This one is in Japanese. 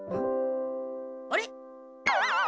あれ？